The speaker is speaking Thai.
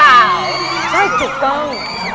เบาสายใช่ถูกต้อง